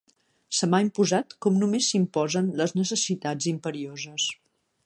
Se m'ha imposat com només s'imposen les necessitats imperioses.